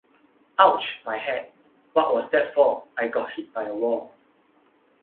Ouch, my head! What was that for? I got hit by a wall!